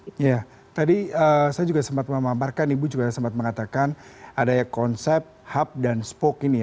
iya tadi saya juga sempat memamparkan ibu juga sempat mengatakan ada konsep hub dan spoke ini ya